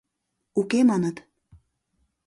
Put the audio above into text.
— Уке, — маныт.